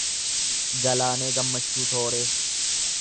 Galaanee Gammachuu Tooree